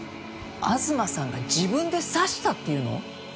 東さんが自分で刺したっていうの？